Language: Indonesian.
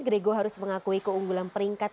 grego harus mengakui keunggulan peringkat